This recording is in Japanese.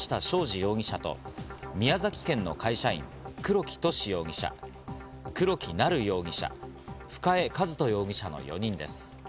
容疑者と宮崎県の会社員、黒木寿容疑者、黒木成容疑者、深江一人容疑者の４人です。